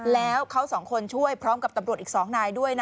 แล้วเขาสองคนช่วยพร้อมกับตำรวจอีก๒นายด้วยนะ